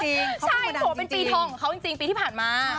ใช่ถือว่าเป็นปีทองของเขาจริงปีที่ผ่านมา